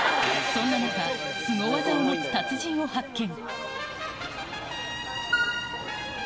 そんな中、スゴ技を持つ達人を発見。